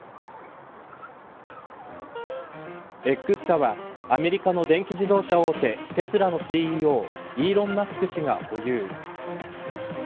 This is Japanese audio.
Ｘ社はアメリカの電気自動車大手テスラのＣＥＯイーロン・マスク氏が保有。